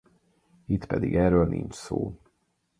Itt pedig erről nincs szó.